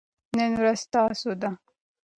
نن ورځ ستاسو ده.